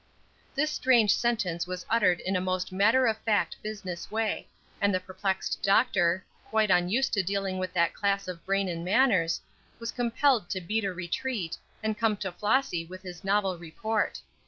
This strange sentence was uttered in a most matter of fact business way, and the perplexed doctor, quite unused to dealing with that class of brain and manners, was compelled to beat a retreat, and come to Flossy with his novel report.